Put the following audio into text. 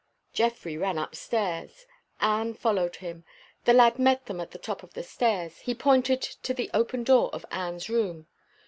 Geoffrey ran up stairs. Anne followed him. The lad met them at the top of the stairs. He pointed to the open door of Anne's room.